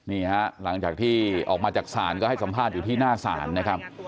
นี่ฮะหลังจากที่ออกมาจากศาลก็ให้สัมภาษณ์อยู่ที่หน้าศาลนะครับ